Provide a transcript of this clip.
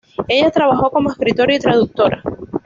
Ella trabajó como escritora y traductora.